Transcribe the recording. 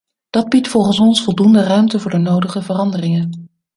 Dat biedt volgens ons voldoende ruimte voor de nodige veranderingen.